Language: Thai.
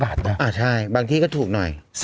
ใช่บางที่ก็ถูกหน่อย